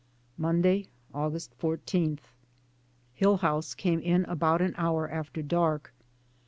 Monday, August 14. Hillhouse came in about an hour after dark.